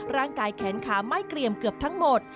ร่างกายแขนขาไม่เกลี่ยมเกือบทั้งหมด